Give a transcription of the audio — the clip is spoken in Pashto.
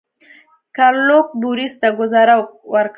ګارلوک بوریس ته ګوزاره ورکړه.